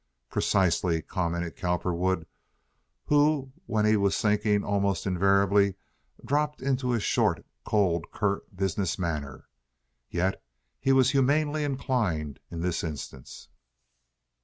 "Precisely," commented Cowperwood, who, when he was thinking, almost invariably dropped into a short, cold, curt, business manner. Yet he was humanely inclined in this instance.